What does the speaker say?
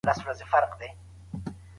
تاسو د ښه فکر په لرلو ډیر باثباته یاست.